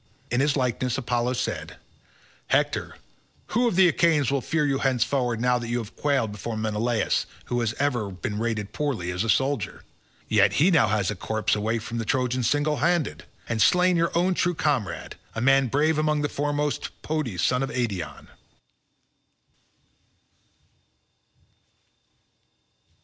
In his likeness Apollo said, "Hector, who of the Achaeans will fear you henceforward now that you have quailed before Menelaus who has ever been rated poorly as a soldier? Yet he has now got a corpse away from the Trojans single handed, and has slain your own true comrade, a man brave among the foremost, Podes son of Eetion."